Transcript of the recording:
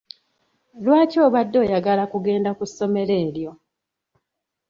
Lwaki obadde oyagala kugenda ku ssomero eryo?